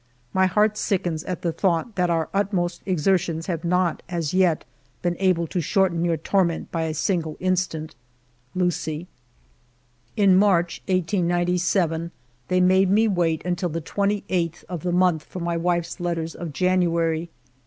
my heart sickens at the thought that our utmost exertions have not as yet been able to shorten your torment by a single instant. Lucie." In March, 1897, they made me wait until the 28th of the month for my wife's letters of Janu ary.